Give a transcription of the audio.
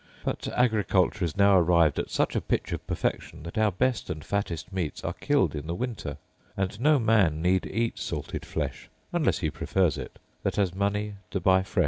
But agriculture is now arrived at such a pitch of perfection, that our best and fattest meats are killed in the winter; and no man need eat salted flesh, unless he prefers it, that has money to buy fresh.